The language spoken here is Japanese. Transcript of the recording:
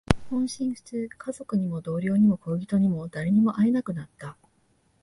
音信不通。家族にも、同僚にも、恋人にも、誰にも会えなくなった。